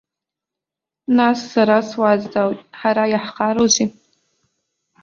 Нас сара суазҵаауеит, ҳара иаҳхароузеи?